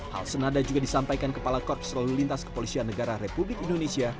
hal senada juga disampaikan kepala korps lalu lintas kepolisian negara republik indonesia